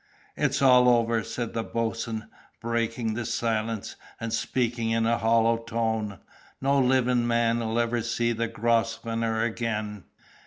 "It's all over!" said the boatswain, breaking the silence, and speaking in a hollow tone. "No livin' man'll ever see the Grosvenor again!"